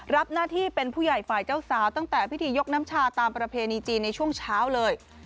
รับหน้าที่เป็นผู้ใหญ่ฝ่ายเจ้าสาวตั้งแต่พิธียกน้ำชาตามประเพณีจีนในช่วงเช้าเลย